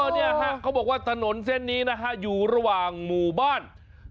เฮ้นี่น่ะครับเขาบอกว่าถนนเส้นนี้อยู่ระหว่างหมู่บ้าน